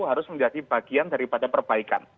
harus menjadi bagian daripada perbaikan